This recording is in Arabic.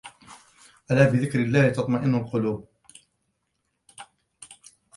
ألا بذكر الله تطمئن القلوب